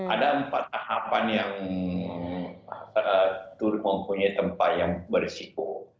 ada empat tahapan yang turut mempunyai tempat yang berisiko